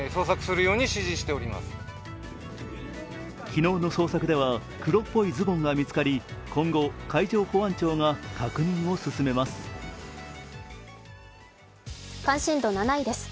昨日の捜索では黒っぽいズボンが見つかり、今後、海上保安庁が確認を進めます関心度７位です